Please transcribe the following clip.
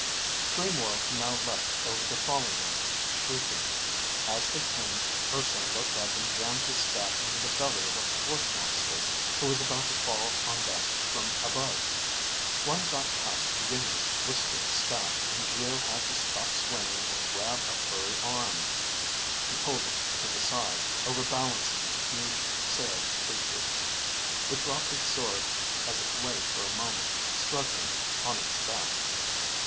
Three more now leapt over the fallen ones, shrieking. As they came, Urson looked up and jammed his staff into the belly of a fourth monster who was about to fall on them from above. One got past Iimmi's whistling staff and Geo had to stop swinging and grab a furry arm. He pulled it to the side, overbalancing the huge, sailed creature. It dropped its sword as it lay for a moment, struggling on its back.